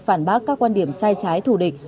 phản bác các quan điểm sai trái thủ địch